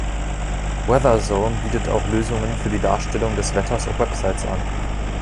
Weatherzone bietet auch Lösungen für die Darstellung des Wetters auf Websites an.